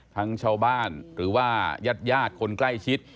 ชาวบ้านหรือว่ายาดคนใกล้ชิด